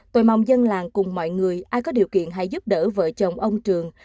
tôi mong dân làng cùng mọi người ai có điều kiện hãy giúp đỡ vợ chồng ông trường